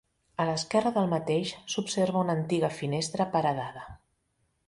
A l'esquerra del mateix s'observa una antiga finestra paredada.